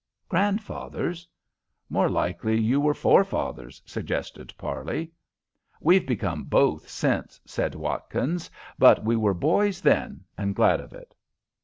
"Grandfathers? More likely you were forefathers," suggested Parley. "We've become both since," said Watkins. "But we were boys then, and glad of it."